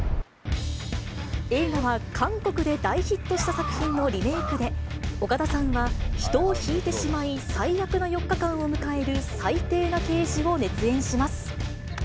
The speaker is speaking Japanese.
映画は韓国で大ヒットした作品のリメークで、岡田さんは人をひいてしまい最悪の４日間を迎える最低な刑事を熱演します。